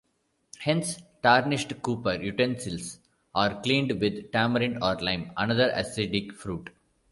Hence, tarnished copper utensils are cleaned with tamarind or lime, another acidic fruit.